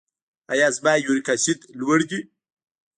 ایا زما یوریک اسید لوړ دی؟